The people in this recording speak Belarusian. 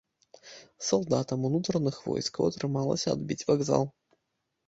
Салдатам унутраных войскаў атрымалася адбіць вакзал.